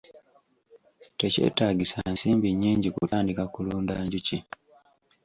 Tekyetagisa nsimbi nnyingi kutandika kulunda njuki.